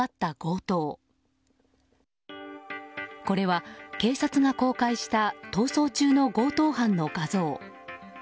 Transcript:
これは、警察が公開した逃走中の強盗犯の画像。